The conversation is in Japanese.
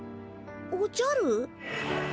おじゃる？